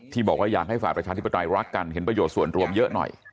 บอกว่าอยากให้ฝ่ายประชาธิปไตยรักกันเห็นประโยชน์ส่วนรวมเยอะหน่อย